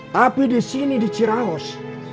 tapi di sini di ciraos